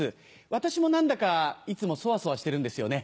私も何だかいつもそわそわしてるんですよね。